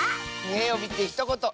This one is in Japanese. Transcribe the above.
「えをみてひとこと」